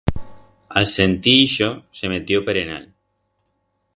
A'l sentir ixo se metió perenal.